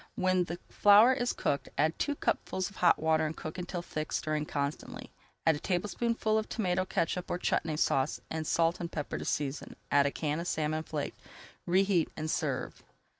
When the flour is cooked, add two cupfuls of hot water and cook until thick, stirring constantly. Add a tablespoonful of tomato catsup or Chutney Sauce and salt and pepper to season. Add a can of salmon flaked. Reheat and serve.